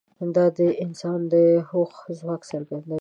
دا د انسان د هوښ ځواک څرګندوي.